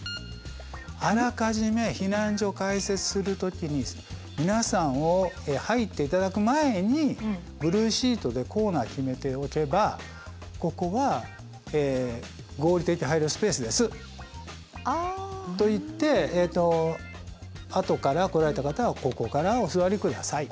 あらかじめ避難所を開設する時に皆さんを入って頂く前にブルーシートでコーナー決めておけば「ここは合理的配慮スペースです」と言ってあとから来られた方はここからお座り下さい。